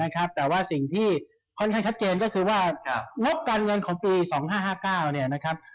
แต่ว่าสิ่งที่ค่อนข้างชัดเจนก็คือว่างบการเงินของปี๒๕๕๙เนี่ยนะครับ